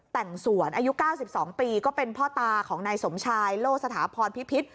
แต่งสวนอายุเก้าสิบสองปีก็เป็นพ่อตาของนายสมชายโลศษฐพพิพิษ